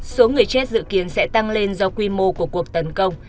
số người chết dự kiến sẽ tăng lên do quy mô của cuộc tấn công